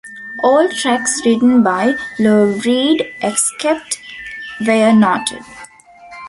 All tracks written by Lou Reed except where noted.